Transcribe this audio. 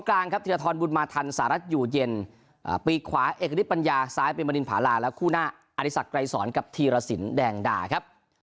กลางครับธิราธรบุรมาธรรมสหรัฐอยู่เย็นปีขวาเอกดิจปัญญาซ้ายเป็นบรินผาราและคู่หน้าอธิษฐกรายสรรค์กับธีรสินแดงด่าครับ